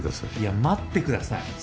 いや待ってください。